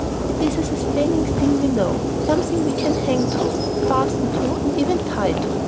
It is a sustaining thing we know, something we can hang to, fasten to, and even tie to.